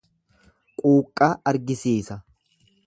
Quuqqaa argisiisa.